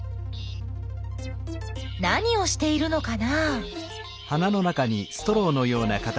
何をしているのかな？